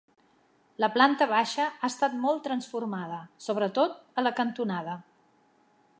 La planta baixa ha estat molt transformada, sobretot a la cantonada.